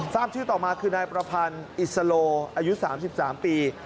ทราบชื่อต่อมาคือนายประพันธ์อิสโลอายุ๓๓ปี